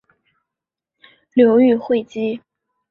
流寓会稽。